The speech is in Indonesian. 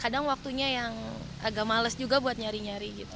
kadang waktunya yang agak males juga buat nyari nyari gitu